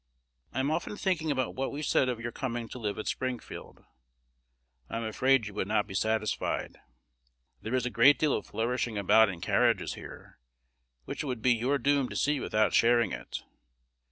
I am often thinking about what we said of your coming to live at Springfield. I am afraid you would not be satisfied. There is a great deal of flourishing about in carriages here, which it would be your doom to see without sharing it.